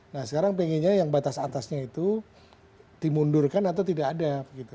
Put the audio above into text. nah sekarang pengennya yang batas atasnya itu dimundurkan atau tidak ada